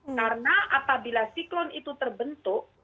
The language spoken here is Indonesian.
karena apabila siklon itu terbentuk